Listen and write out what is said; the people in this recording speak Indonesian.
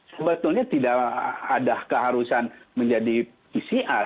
sebetulnya tidak ada keharusan menjadi pcr